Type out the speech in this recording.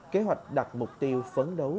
kế hoạch đặt mục tiêu phấn đấu